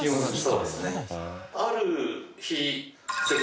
そうですね。